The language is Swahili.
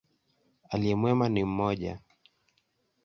Aliye mwema ni mmoja.